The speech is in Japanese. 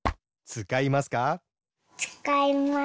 つかいます。